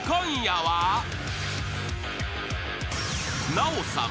［奈緒さん。